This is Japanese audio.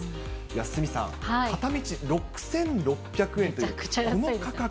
鷲見さん、片道６６００円というこの価格。